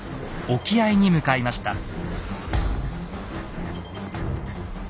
沖合に向かいました。